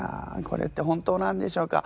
これって本当なんでしょうか？